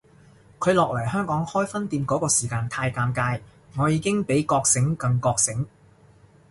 佢落嚟香港開分店嗰個時間太尷尬，我已經比覺醒更覺醒